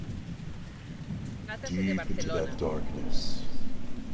Trátase de Barcelona.